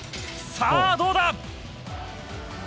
「さあどうだ？」